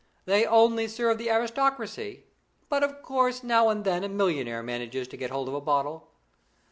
They only serve the aristocracy; but, of course, now and then a millionaire manages to get hold of a bottle.